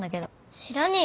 知らねえよ